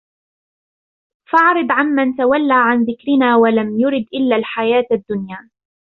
فأعرض عن من تولى عن ذكرنا ولم يرد إلا الحياة الدنيا